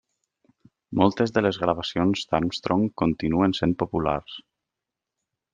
Moltes de les gravacions d'Armstrong continuen sent populars.